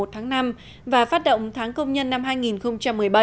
một tháng năm và phát động tháng công nhân năm hai nghìn một mươi bảy